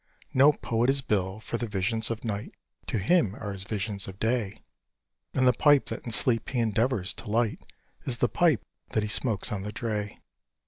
No poet is Bill, for the visions of night To him are as visions of day; And the pipe that in sleep he endeavours to light Is the pipe that he smokes on the dray.